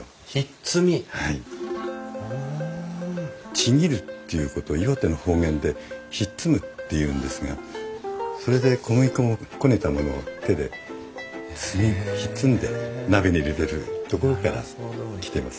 ちぎるっていうことを岩手の方言でひっつむっていうんですがそれで小麦粉をこねたものを手でひっつんで鍋に入れてるところから来てます。